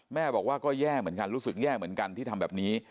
แม่บอกว่าก็แย่เหมือนกันรู้สึกแย่เหมือนกันที่ทำแบบนี้